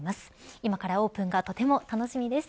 今からオープンがとても楽しみです。